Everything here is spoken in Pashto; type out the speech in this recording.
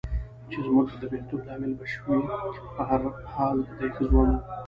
چې زموږ د بېلتون لامل به شوې، په هر حال دی ښه ځوان و.